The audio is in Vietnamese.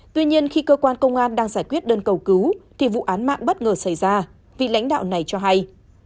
tuy nhiên khi cơ quan công an đang giải quyết đơn cầu cứu thì vụ án mạng bất ngờ xảy ra vị lãnh đạo này cho hay